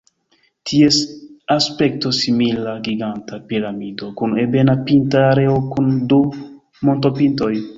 Ties aspekto simila giganta piramido kun ebena pinta areo kun du montopintoj.